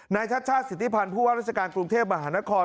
ชาติชาติสิทธิพันธ์ผู้ว่าราชการกรุงเทพมหานคร